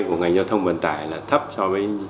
của ngành giao thông vận tải là thấp so với